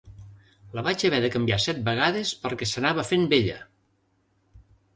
La vaig haver de canviar set vegades perquè s’anava fent vella!